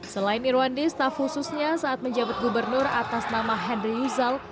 selain irwandi staf khususnya saat menjabat gubernur atas nama henry yuzal